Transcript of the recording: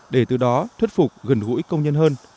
để từ đó thuyết phục gần gũi công nhân hơn